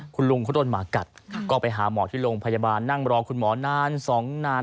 คุณลุงเขาโดนหมากัดก็ไปหาหมอที่โรงพยาบาลนั่งรอคุณหมอนานสองนาน